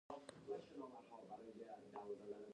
ایا زه باید د ماشوم پوزه سورۍ کړم؟